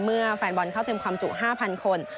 แฟนบอลเข้าเต็มความจุ๕๐๐คน